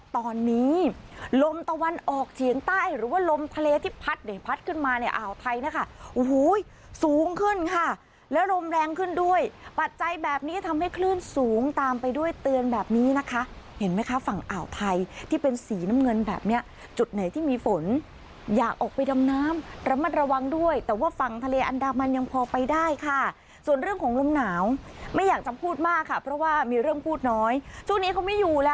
ตอนนี้ลมตะวันออกเฉียงใต้หรือว่าลมทะเลที่พัดพัดขึ้นมาอ่าวไทยนะคะสูงขึ้นค่ะและลมแรงขึ้นด้วยปัจจัยแบบนี้ทำให้คลื่นสูงตามไปด้วยเตือนแบบนี้นะคะเห็นไหมคะฝั่งอ่าวไทยที่เป็นสีน้ำเงินแบบนี้จุดไหนที่มีฝนอยากออกไปดำน้ำระมัดระวังด้วยแต่ว่าฝั่งทะเลอันดามันยังพอไปได้ค่ะส่วนเรื่อง